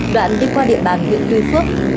đoạn đi qua địa bàn huyện tuy phước